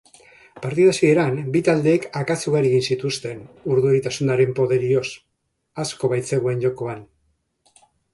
Partida hasieran bi taldeek akats ugari egin zituzten urduritasunaren poderioz asko baitzegoen jokoan.